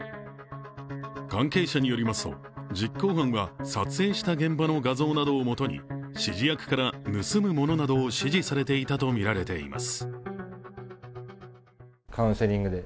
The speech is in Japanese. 関係者によりますと、実行犯は撮影した現場の画像などをもとに指示役から盗むものなどを指示されていたとみられています。